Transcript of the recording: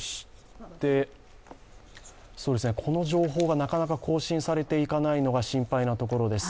この情報がなかなか更新されていかないのが心配なところです。